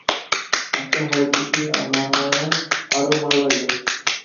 আচ্ছা, হয়েছে কী, আমার আরো মাল লাগবে।